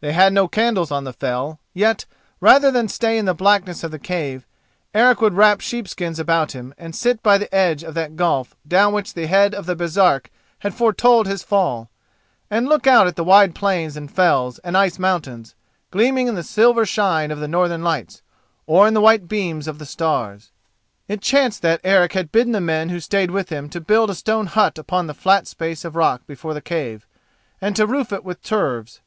They had no candles on the fell, yet, rather than stay in the blackness of the cave, Eric would wrap sheepskins about him and sit by the edge of that gulf down which the head of the Baresark had foretold his fall, and look out at the wide plains and fells and ice mountains, gleaming in the silver shine of the Northern lights or in the white beams of the stars. It chanced that Eric had bidden the men who stayed with him to build a stone hut upon the flat space of rock before the cave, and to roof it with turves.